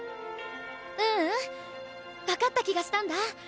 ううん分かった気がしたんだ。